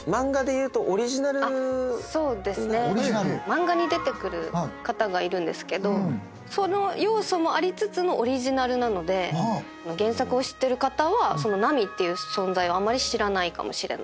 漫画に出てくる方がいるんですけどその要素もありつつのオリジナルなので原作を知ってる方はナミっていう存在はあんまり知らないかもしれないですね。